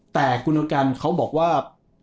แต่คุณโอกันเขาบอกว่า